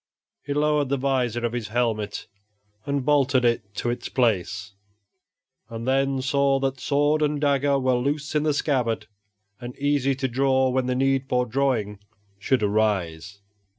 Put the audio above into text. He lowered the vizor of his helmet and bolted it to its place, and then saw that sword and dagger were loose in the scabbard and easy to draw when the need for drawing should arise.